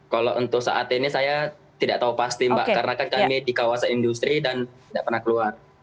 kalau untuk saat ini saya tidak tahu pasti mbak karena kami di kawasan industri dan tidak pernah keluar